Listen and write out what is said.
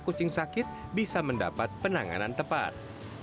kucing sakit bisa mendapat penanganan tepat